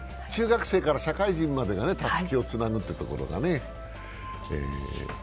中学生から社会人までがたすきをつなぐというところがね。